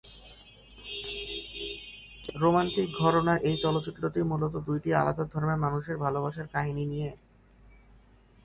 Romantic ঘরানার এই চলচ্চিত্রটি মূলত দুইটি আলাদা ধর্মের মানুষের ভালোবাসার কাহিনী নিয়ে।